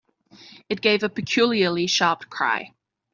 It gave a peculiarly sharp cry.